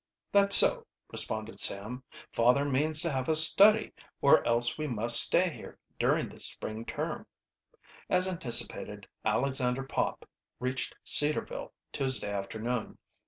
"That's so," responded Sam. "Father means to have us study, or else we must stay here during the spring term." As anticipated, Alexander Pop reached Cedarville Tuesday afternoon.